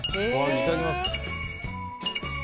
いただきます。